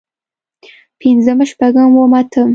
پنځم شپږم اووم اتم